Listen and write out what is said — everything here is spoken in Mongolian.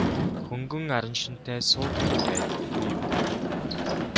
Хөнгөн араншинтай суут гэж байдаггүй юм.